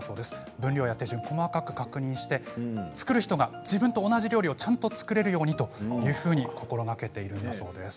分量や手順を細かく確認して作る人が自分と同じ料理をちゃんと作れるように心がけているそうです。